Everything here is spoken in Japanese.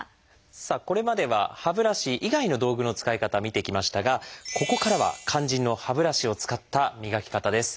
さあこれまでは歯ブラシ以外の道具の使い方見てきましたがここからは肝心の歯ブラシを使った磨き方です。